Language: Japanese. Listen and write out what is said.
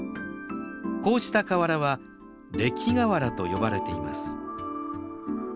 こうした河原は礫河原と呼ばれています。